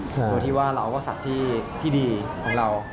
โดยที่ว่าเราก็สัตว์ที่ดีของเรา